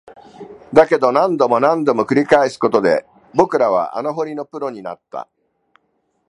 だけど、何度も何度も繰り返すことで、僕らは穴掘りのプロになった